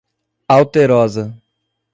Alterosa